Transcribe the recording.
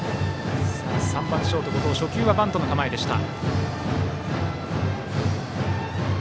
３番ショートの後藤は初球はバントの構えでした。